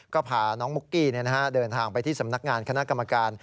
ก็พาน้องมุกกี้เดินทางไปที่สำนักงานคณะกรรมการ